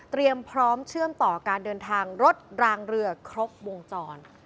พร้อมเชื่อมต่อการเดินทางรถรางเรือครบวงจร